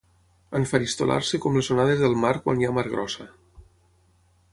Enfaristolar-se com les onades del mar quan hi ha mar grossa.